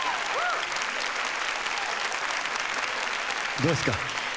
どうですか？